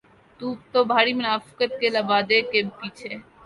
تو بھاری منافقت کے لبادے کے پیچھے۔